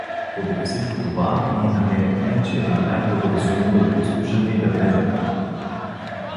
Подир всичко това ние намерихме, че е най-благоразумно да го послушаме и да влезем.